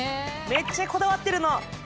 めっちゃこだわってるの。